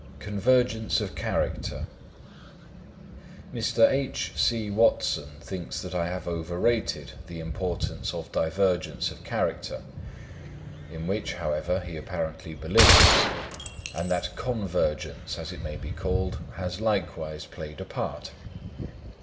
Convergence of Character. Mr. H.C. Watson thinks that I have overrated the importance of divergence of character (in which, however, he apparently believes), and that convergence, as it may be called, has likewise played a part.